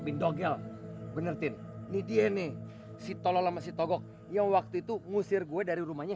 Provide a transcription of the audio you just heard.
bindogel bener tin ini dia nih si tolol sama si togok yang waktu itu ngusir gue dari rumahnya